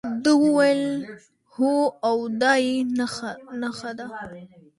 ده وویل هو او دا یې نخښه ده.